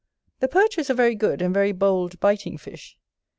The Perch is a very good and very bold biting fish.